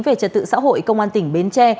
về trật tự xã hội công an tỉnh bến tre